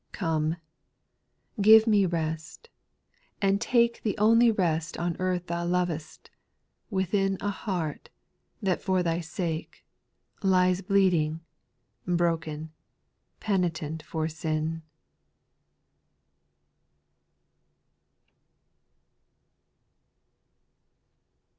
9. Come, give me rest, and take The only rest on earth Thou lov'st, within A heart, that for Thy sake, Lies bleeding, broken, penitent for sin.